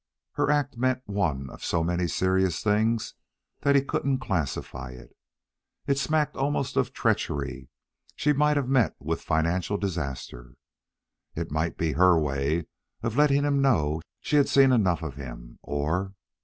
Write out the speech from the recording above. Her act meant one of so many serious things that he couldn't classify it. It smacked almost of treachery. She might have met with financial disaster. It might be her way of letting him know she had seen enough of him. Or...